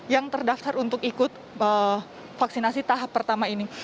yang terdaftar untuk ikut vaksinasi tahap pertama ini